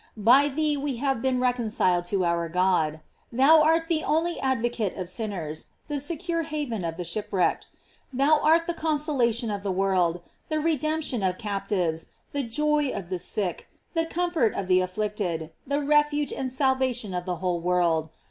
By thee we have been reconciled to our God. Thou art the only ad vocate of sinners, the secure haven of the ship wrecked. Thou art the consolation of the world, the redemption of captives, the joy of the sick, the comfort of the afflicted, the refuge and sal vation of the whole world.